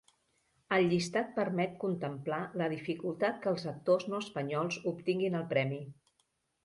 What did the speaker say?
El llistat permet contemplar la dificultat que els actors no espanyols obtinguin el premi.